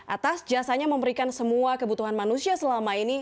atas jasanya memberikan semua kebutuhan manusia selama ini